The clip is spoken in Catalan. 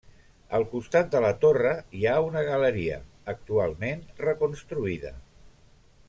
Al costat de la torre hi ha una galeria, actualment reconstruïda.